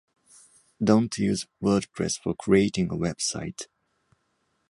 Don't use Wordpress for creating a website.